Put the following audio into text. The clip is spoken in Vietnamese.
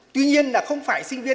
tuy nhiên là không phải sinh viên